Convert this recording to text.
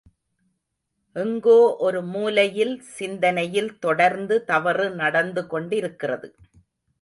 எங்கோ ஒரு மூலையில் சிந்தனையில் தொடர்ந்து தவறு நடந்து கொண்டிருக்கிறது.